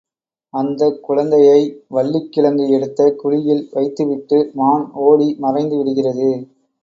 அந்தக் குழந்தையை வள்ளிக் கிழங்கு எடுத்த குழியில் வைத்து விட்டு மான் ஓடி மறைந்து விடுகிறது.